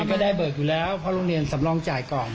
ไม่ได้เบิกอยู่แล้วเพราะโรงเรียนสำรองจ่ายก่อน